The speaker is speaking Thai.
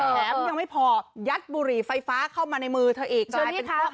แถมยังไม่พอยัดบุหรี่ไฟฟ้าเข้ามาในมือเธออีก